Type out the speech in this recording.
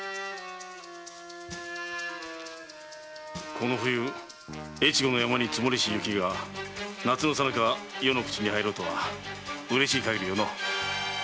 この冬越後の山に積もりし雪が夏のさなか余の口に入ろうとは嬉しいかぎりよのう。